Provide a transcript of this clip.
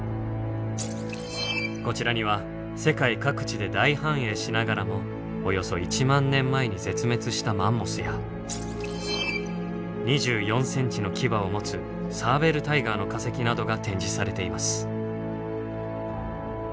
こちらには世界各地で大繁栄しながらもおよそ１万年前に絶滅したマンモスや２４センチの牙を持つサーベルタイガーの化石などが展示されています。